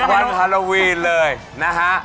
วันฮาโลวีนเลยนะฮะ